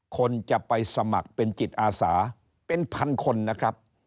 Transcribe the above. คนจะไปสมัครเป็นจิตอาสาเป็นพันคนนะครับ